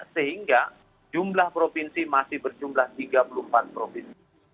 sehingga jumlah provinsi masih berjumlah tiga puluh empat provinsi